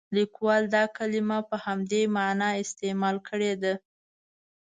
لیکوال دا کلمه په همدې معنا استعمال کړې ده.